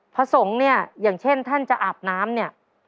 พระสงฆ์เนี่ยอย่างเช่นท่านจะอาบน้ำเนี่ย